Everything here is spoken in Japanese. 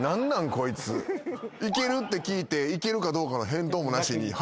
こいつ。って聞いていけるかどうかの返答もなしに。